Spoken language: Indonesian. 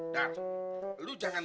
dar lu jangan